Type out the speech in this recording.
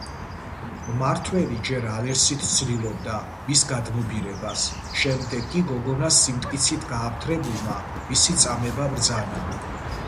მმართველი ჯერ ალერსით ცდილობდა მის გადმობირებას, შემდეგ კი, გოგონას სიმტკიცით გააფთრებულმა, მისი წამება ბრძანა.